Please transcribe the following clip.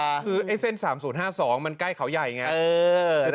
คือไอ้เส้น๓๐๕๒มันใกล้เขาใหญ่ไง